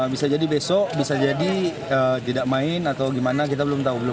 bisa jadi besok bisa jadi tidak main atau gimana kita belum tahu belum